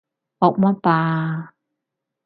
惡乜霸啊？